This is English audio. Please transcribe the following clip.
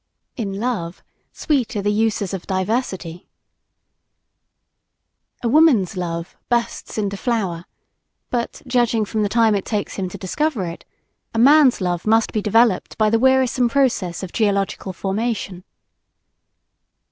In love, sweet are the uses of diversity! A woman's love "bursts into flower," but judging from the time it takes him to discover it, a man's love must be developed by the wearisome process of geological formation.